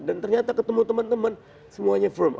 ternyata ketemu teman teman semuanya firm